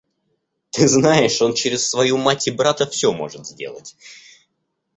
Ты знаешь, он через свою мать и брата всё может сделать.